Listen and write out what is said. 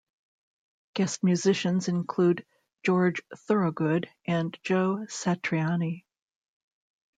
Guest musicians include George Thorogood and Joe Satriani.